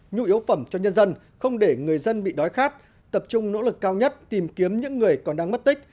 nhu yếu phẩm cho nhân dân không để người dân bị đói khát tập trung nỗ lực cao nhất tìm kiếm những người còn đang mất tích